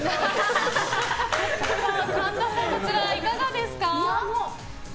神田さん、いかがですか？